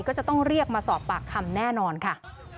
ก็จะต้องเรียกมาสอบปากคำแน่นอนค่ะ